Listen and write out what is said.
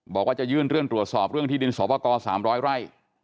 บอกว่าจะยื่นเรื่องตรวจสอบเรื่องที่ดินสวปกร๓๐๐ไร่